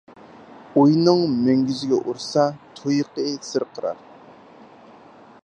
ئۇينىڭ مۈڭگۈزىگە ئۇرسا، تۇيىقى سىرقىرار.